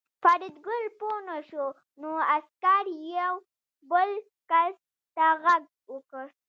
فریدګل پوه نه شو نو عسکر یو بل کس ته غږ وکړ